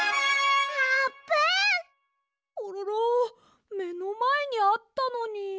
コロロめのまえにあったのに。